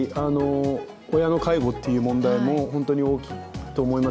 親の介護っていう問題も本当に大きいと思います